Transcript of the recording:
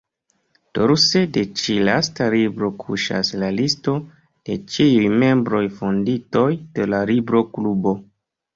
Dorse de ĉi-lasta libro kuŝas la listo de ĉiuj membroj-fondintoj de la Libro-Klubo.